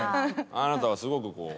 あなたはすごくこう。